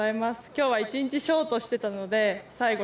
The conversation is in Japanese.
今日は一日ショートしてたので最後